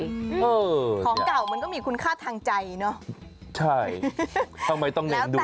ของเก่ามันก็มีคุณค่าทางใจเนอะใช่ทำไมต้องเน้นด้วย